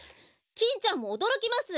キンちゃんもおどろきます！